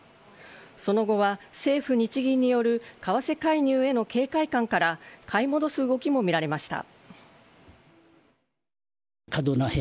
その後は政府・日銀による為替介入への警戒感から買い戻す動きも見られました。